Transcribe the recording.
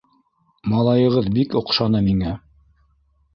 - Малайығыҙ бик оҡшаны миңә.